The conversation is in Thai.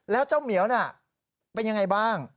แล้วเจ้าเหมียวน่ะเป็นยังไงบ้าง